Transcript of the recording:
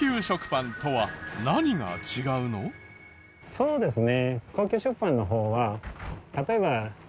そうですね。